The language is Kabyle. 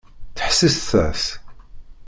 Ttḥessiset-as!